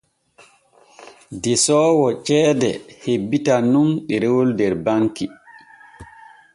Desoowo ceede hebbitan nun ɗerewol der banki.